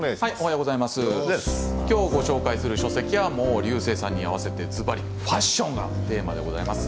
きょうご紹介する書籍は竜星さんに合わせてずばりファッションがテーマでございます。